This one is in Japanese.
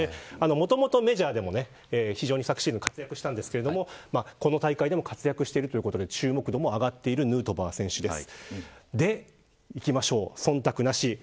もともとメジャーでも昨シーズン活躍したんですがこの大会でも活躍しているということで注目度も上がっているヌートバー選手です。